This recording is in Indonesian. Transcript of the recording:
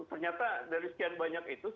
ternyata dari sekian banyak itu